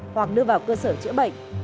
hoặc đưa vào cơ sở chữa bệnh